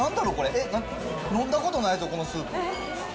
えっ、飲んだことないぞ、このスープ。